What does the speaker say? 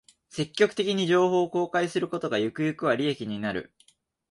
積極的に情報を公開することが、ゆくゆくは利益になる